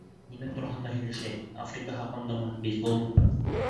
— Нимә тураһында һөйләшәйек: Африка хаҡындамы, бейсбол мы?